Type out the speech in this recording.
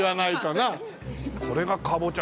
これがかぼちゃ